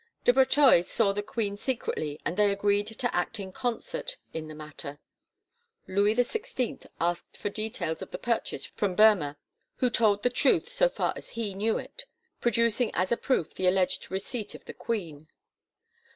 De Breteuil saw the queen secretly and they agreed to act in concert in the matter. Louis XVI asked for details of the purchase from Boemer, who told the truth so far as he knew it, producing as a proof the alleged receipt of the queen.